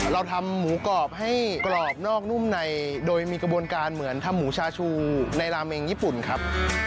เราทำหมูกรอบให้กรอบนอกนุ่มในโดยมีกระบวนการเหมือนทำหมูชาชูในราเมงญี่ปุ่นครับ